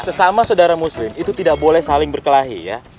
sesama saudara muslim itu tidak boleh saling berkelahi ya